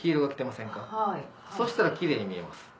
そしたらキレイに見えます。